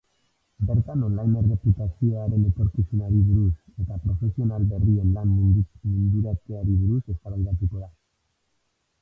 Bertan online erreputazioaren etorkizunari buruz eta profesional berrien lan munduratzeari buruz eztabaidatuko da.